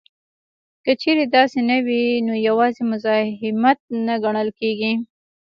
که چېرې داسې نه وي نو یوازې مزاحمت نه ګڼل کیږي